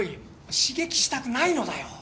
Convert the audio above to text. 刺激したくないのだよ。